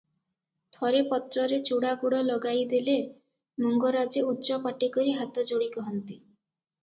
ଥରେ ପତ୍ରରେ ଚୂଡ଼ାଗୁଡ଼ ଲଗାଇ ଦେଲେ ମଙ୍ଗରାଜେ ଉଚ୍ଚପାଟିକରି ହାତ ଯୋଡ଼ି କହନ୍ତି